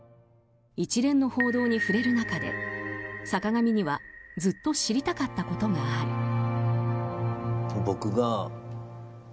一連の報道に触れる中で坂上にはずっと知りたかったことがある。